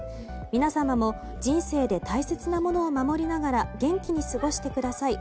皆様も人生で大切なものを守りながら元気に過ごしてください